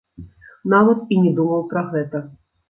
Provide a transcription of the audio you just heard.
Нават і не думаў пра гэта.